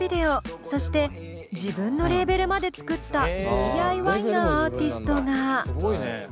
そして自分のレーベルまで作ったＤＩＹなアーティストが。